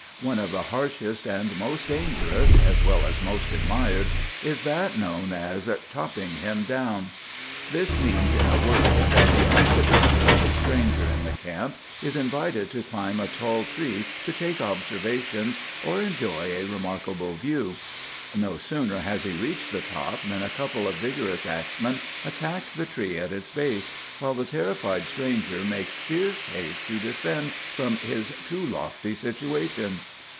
One of the harshest and most dangerous, as well as most admired, is that known as 'chopping him down.' "This means, in a word, that the unsophisticated stranger in the camp is invited to climb a tall tree to take observations or enjoy a remarkable view. No sooner has he reached the top, than a couple of vigorous axemen attack the tree at its base, while the terrified stranger makes fierce haste to descend from his too lofty situation.